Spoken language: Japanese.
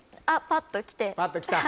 パッときた？